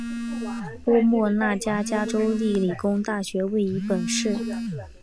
波莫纳加州州立理工大学位于本市。